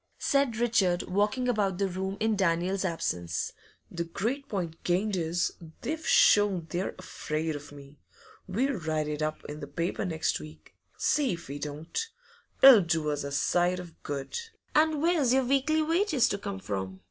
said Richard, walking about the room in Daniel's absence. 'The great point gained is, they've shown they're afraid of me. We'll write it up in the paper next week, see if we don't! It'll do us a sight of good.' 'And where's your weekly wages to come from?